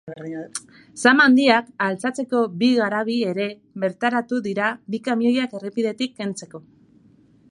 Zama handiak altxatzeko bi garabi ere bertaratu dira bi kamioiak errepidetik kentzeko.